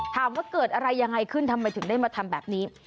ถามว่าเกิดอะไรยังไงขึ้นทำไมถึงได้มาทำแบบนี้